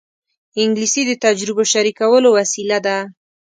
انګلیسي د تجربو شریکولو وسیله ده